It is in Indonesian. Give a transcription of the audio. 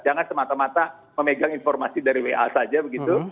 jangan semata mata memegang informasi dari wa saja begitu